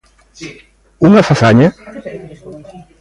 Unha fazaña?